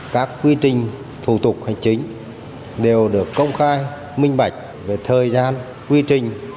các quy trình thủ tục hành chính đều được công khai minh bạch về thời gian quy trình